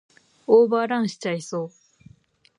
オーバーランしちゃいそう